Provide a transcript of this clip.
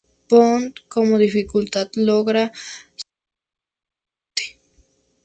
Bond con dificultad logra salir antes de que explote.